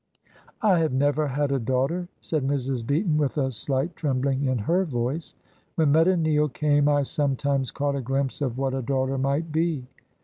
"I have never had a daughter," said Mrs. Beaton, with a slight trembling in her voice. "When Meta Neale came I sometimes caught a glimpse of what a daughter might be."